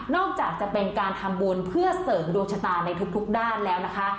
อกจากจะเป็นการทำบุญเพื่อเสริมดวงชะตาในทุกด้านแล้วนะคะ